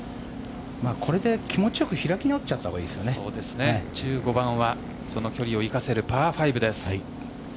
これで気持ちよく開き直っちゃったほうが１５番はその距離を生かせるパー５です。